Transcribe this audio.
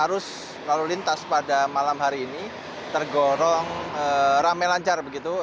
arus lalu lintas pada malam hari ini tergorong rame lancar begitu